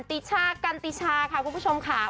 ติชากันติชาค่ะคุณผู้ชมค่ะ